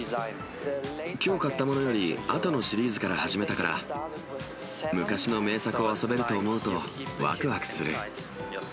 きょう買ったものよりあとのシリーズから始めたから、昔の名作を遊べると思うとわくわくする。